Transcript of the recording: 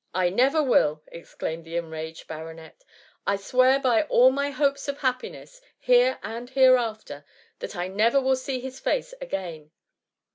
<^ I never will P exclaimed the. enraged ba ronet, " I swear by all my hopes of happiness, here and hereafter, that I never will see his face again."